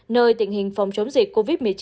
nơi tình hình phòng chống dịch covid một mươi chín